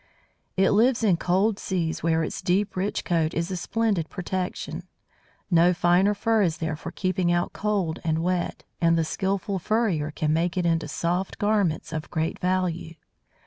It lives in cold seas where its deep rich coat is a splendid protection. No finer fur is there for keeping out cold and wet; and the skilful furrier can make it into soft garments of great value.